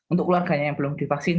untuk keluarganya yang belum divaksin